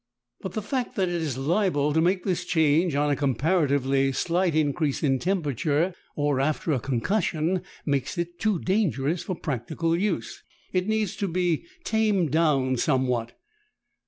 But the fact that it is liable to make this change on a comparatively slight increase in temperature or after a concussion makes it too dangerous for practical use. It needs to be tamed down somewhat.